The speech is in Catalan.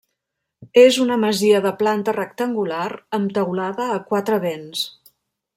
És una masia de planta rectangular amb teulada a quatre vents.